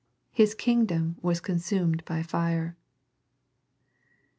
His kingdom was consumed by fire.